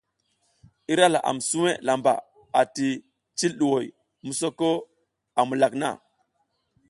Ira laʼam suwe lamba ati cil ɗuhoy misoko a mukak na.